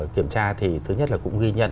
kiểm tra thì thứ nhất là cũng ghi nhận